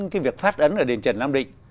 cái việc phát ấn ở đền trần nam định